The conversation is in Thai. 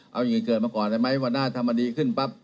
เอาอย่างนี้เกิดมาก่อนได้ไหมวันหน้าถ้ามันดีขึ้นปั๊บ